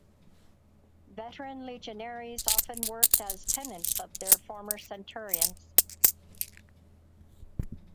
Veteran legionaries often worked as tenants of their former centurions.